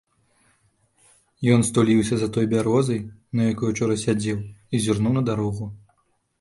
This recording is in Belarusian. Ён стуліўся за той бярозай, на якой учора сядзеў, і зірнуў на дарогу.